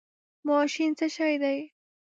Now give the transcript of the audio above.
ماشین څه شی دی؟